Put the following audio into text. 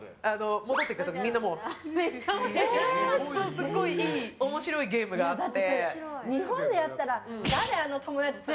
すごい面白いゲームがあって。